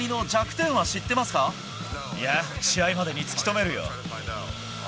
いや、試合までに突き止めるよ。